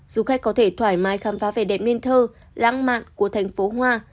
du khách có thể thoải mái khám phá vẻ đẹp mên thơ lãng mạn của thành phố hoa